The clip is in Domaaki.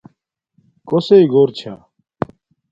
کوسݵ گھور چھا